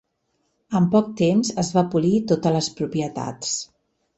En poc temps es va polir totes les propietats.